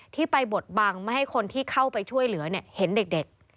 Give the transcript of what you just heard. ที่ไปบดบังไม่ให้คนที่เข้าไปช่วยเหลือเห็นเด็ก